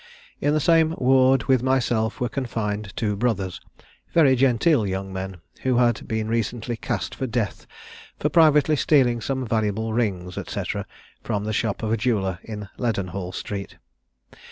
"In the same ward with myself were confined two brothers, very genteel young men, who had been recently cast for death for privately stealing some valuable rings, &c., from the shop of a jeweller in Leadenhall Street.